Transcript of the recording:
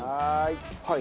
はい。